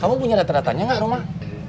kamu punya data datanya gak di rumah